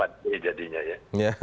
d jadinya ya